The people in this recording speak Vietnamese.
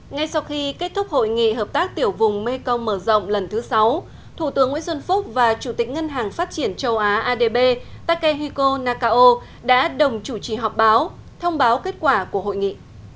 ngay sau khi kết thúc hội nghị hợp tác tiểu vùng mekong mở rộng lần thứ sáu thủ tướng nguyễn xuân phúc và chủ tịch ngân hàng phát triển châu á adb takehiko nakao đã đồng chủ trì họp báo thông báo kết quả của hội nghị